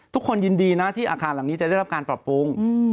ทุกคนยินดีนะที่อาคารหลังนี้จะได้รับการปรับปรุง